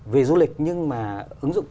về du lịch nhưng mà ứng dụng